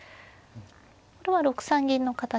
これは６三銀の形を。